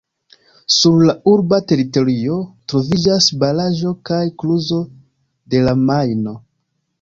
Sur la urba teritorio troviĝas baraĵo kaj kluzo de la Majno.